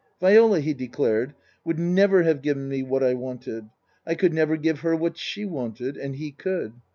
Viola, he declared, would never have given me what I wanted. I could never give her what she wanted. And he could.